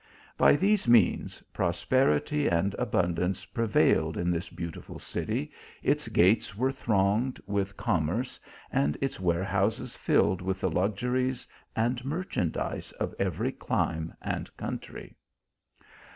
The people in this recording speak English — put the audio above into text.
By these means, prosperity and abundance prevailed in this beautiful city, its gates were thronged with commerce, and its warehouses filled with the uxuries and merchandize of every clime and country.